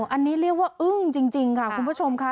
อันนี้เรียกว่าอึ้งจริงค่ะคุณผู้ชมค่ะ